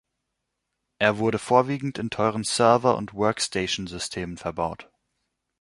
Er wurde vorwiegend in teuren Server- und Workstation-Systemen verbaut.